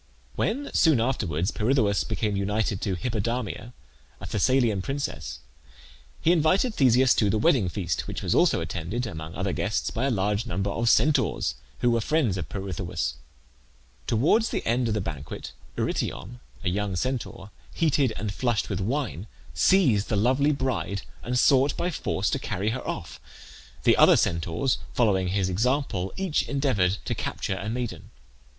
When, soon afterwards, Pirithoeus became united to Hippodamia, a Thessalian princess, he invited Theseus to the wedding feast, which was also attended, among other guests, by a large number of Centaurs, who were friends of Pirithoeus. Towards the end of the banquet Eurytion, a young Centaur, heated and flushed with wine, seized the lovely bride and sought by force to carry her off. The other Centaurs, following his example, each endeavoured to capture a maiden.